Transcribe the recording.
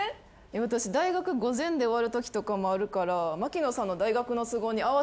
私大学午前で終わるときとかもあるからマキノさんの大学の都合に合わせれると思う。